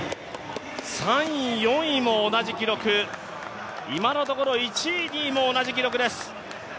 ３位、４位も同じ記録、今のところ１位、２位も同じ記録です。